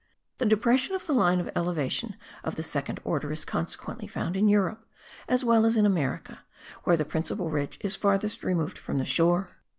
The depression of the line of elevation of the second order is consequently found in Europe as well as in America, where the principal ridge is farthest removed from the shore.